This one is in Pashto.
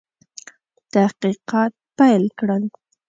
تحقیقات پیل کړل.